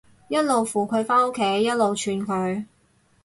一路扶佢返屋企，一路串佢